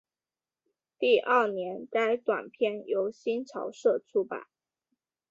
第二年该短篇由新潮社出版。